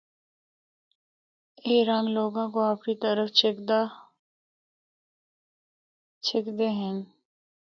اے رنگ لوگاں کو اپنڑی طرف چِکھدے ہن۔